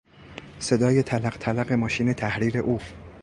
صدای تلق تلق ماشین تحریر او